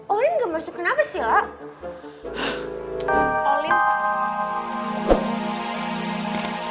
olin gak masuk kenapa sih la